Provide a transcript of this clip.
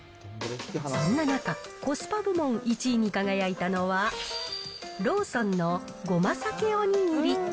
そんな中、コスパ部門１位に輝いたのは、ローソンの胡麻さけおにぎり。